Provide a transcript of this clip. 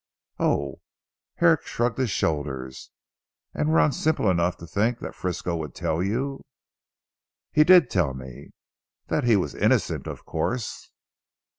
"Oh!" Herrick shrugged his shoulders, "and were on simple enough to think that Frisco would tell you?" "He did tell me " "That he was innocent of course?"